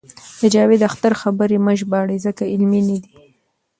د جاوید اختر خبرې مه ژباړئ ځکه علمي نه دي.